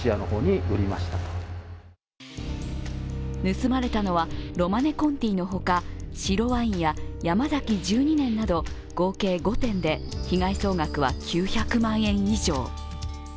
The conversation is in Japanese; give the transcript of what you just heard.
盗まれたのは、ロマネコンティのほか白ワインや山崎１２年など合計５点で被害総額は９００万円以上。